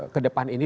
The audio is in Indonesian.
ke depan ini